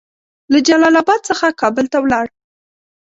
له جلال اباد څخه کابل ته ولاړ.